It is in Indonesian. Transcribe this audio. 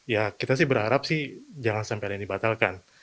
ya kita sih berharap sih jangan sampai ada yang dibatalkan